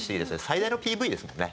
最大のＰＶですもんね